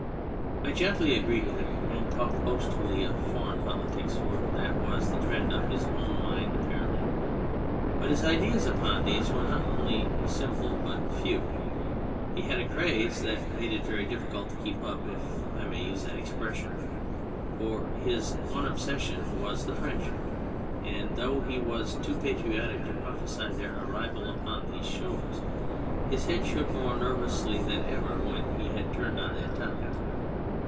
I gently agreed with him and talked boastfully of foreign politics (for that was the trend of his own mind apparently), but his ideas upon these were not only simple but few. He had a craze that made it very difficult to keep up, if I may use that expression, for his one obsession was the French ; and though he was too patriotic to prophesy their arrival upon these shores his head shook more nervously than ever when he had turned on to that topic.